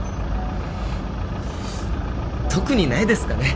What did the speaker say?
特にないですかね。